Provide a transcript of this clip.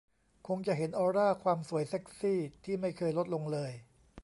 คงจะเห็นออร่าความสวยเซ็กซี่ที่ไม่เคยลดลงเลย